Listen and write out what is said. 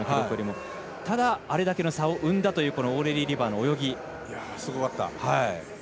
ただあれだけの差を生んだというオーレリー・リバーの泳ぎ。